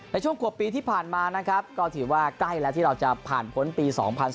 ในช่วงกว่าปีที่ผ่านมานะครับก็ถือว่าใกล้แล้วที่เราจะผ่านพ้นปี๒๐๑๙